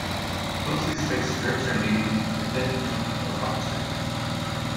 Closely spaced strips are needed for thin panelling or plaster.